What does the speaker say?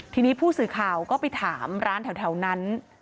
ทีนี้ผู้สื่อข่าวก็ไปถามร้านแถวนั้น